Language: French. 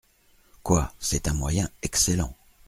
Quoi ! c’est un moyen excellent.